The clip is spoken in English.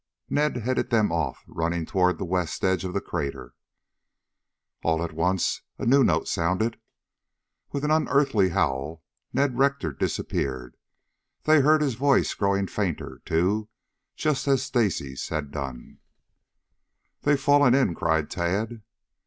Ned headed them off running toward the west edge of the crater. All at once a new note sounded. With an unearthly howl Ned Rector disappeared. They heard his voice growing fainter, too, just as Stacy's had done. "They've fallen in!" cried Tad.